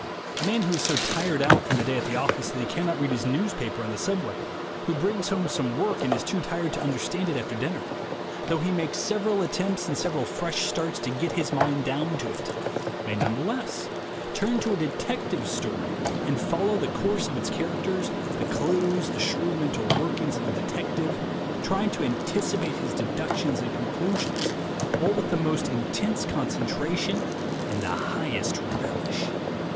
A man who is so tired out from the day at the office that he cannot read his newspaper on the subway, who brings home some work and is too tired to understand it after dinner, though he 144 THE WAY TO WILL POWER makes several attempts and several fresh starts to "get his mind down to it," may none the less turn to a detective story, and follow the course of its characters, the clues, the shrewd mental workings of the detective, trying to anticipate his deductions and conclusions, all with the most intense concen tration and the highest relish.